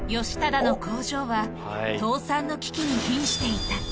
義忠の工場は倒産の危機にひんしていた。